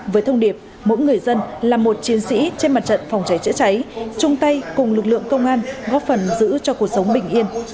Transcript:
với thông điệp mỗi người dân là một chiến sĩ trên mặt trận phòng cháy chữa cháy chung tay cùng lực lượng công an góp phần giữ cho cuộc sống bình yên